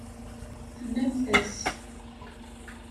Tennamt-as.